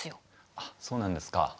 あっそうなんですか。